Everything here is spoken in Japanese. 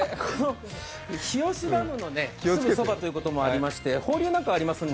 日吉ダムのすぐそばということもありまして放流なんかもありまして